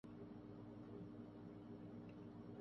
ثقلین Mushtaq England cricket team کے spin bowling coach مقرر